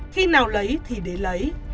khi nào lấy thì để lấy